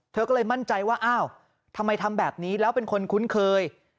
เธอก็เลยมั่นใจว่าอ้าวทำไมทำแบบนี้แล้วเป็นคนคุ้นเคย